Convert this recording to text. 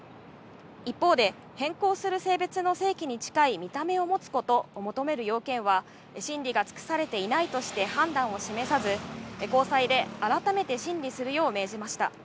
一方で、変更する性別の性器に近い見た目を持つことを求める要件は、審理が尽くされていないとして判断を示さず、高裁で改めて審理するよう命じました。